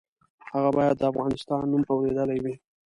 هغه باید د افغانستان نوم اورېدلی وي.